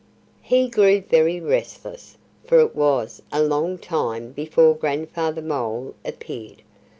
He grew very restless, for it was a long time before Grandfather Mole appeared.